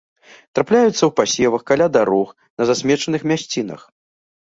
Трапляюцца ў пасевах, каля дарог, на засмечаных мясцінах.